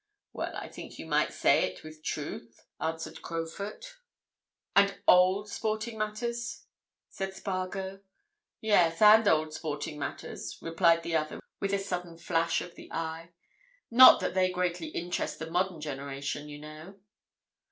"Well, I think you might say it with truth," answered Crowfoot. "And old sporting matters?" said Spargo. "Yes, and old sporting matters," replied the other with a sudden flash of the eye. "Not that they greatly interest the modern generation, you know."